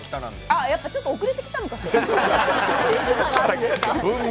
あ、やっぱりちょっと遅れてきたのかしら。